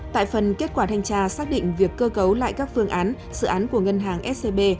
tại phần kết quả thanh tra xác định việc cơ cấu lại các phương án dự án của ngân hàng scb